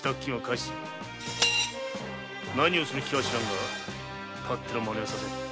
何をする気か知らんが勝手なマネはさせんぞ。